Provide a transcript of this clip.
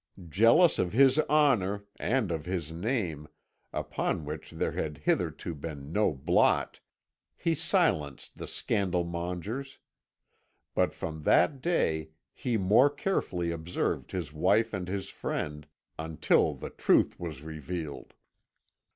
Jealous of his honour, and of his name, upon which there had hitherto been no blot, he silenced the scandal mongers; but from that day he more carefully observed his wife and his friend, until the truth was revealed.